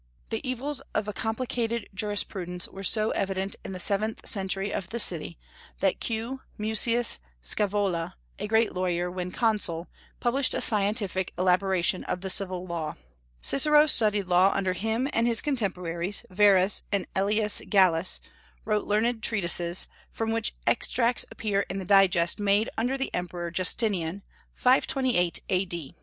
The evils of a complicated jurisprudence were so evident in the seventh century of the city, that Q. Mucius Scaevola, a great lawyer, when consul, published a scientific elaboration of the civil law. Cicero studied law under him, and his contemporaries, Varus and Aelius Gallus, wrote learned treatises, from which extracts appear in the Digest made under the Emperor Justinian, 528 A.